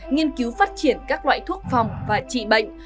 nghiên cứu phát triển các loại thuốc phòng và trị bệnh